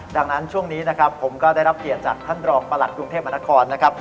ดังนั้นช่วงนี้นะครับผมก็ได้รับเกียรติจากท่านรองประหลัดกรุงเทพมนครนะครับ